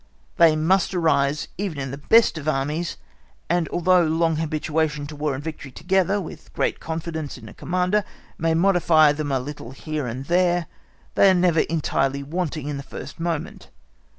They must arise even in the best of Armies, and although long habituation to War and victory together with great confidence in a Commander may modify them a little here and there, they are never entirely wanting in the first moment.